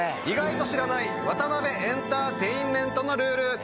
意外と知らないワタナベエンターテインメントのルール。